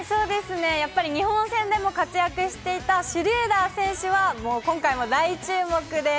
日本戦でも活躍していたシュルーダー選手は今回も大注目です！